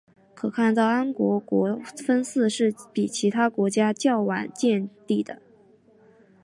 可看到安房国国分寺是比其他国家较为晚期建立。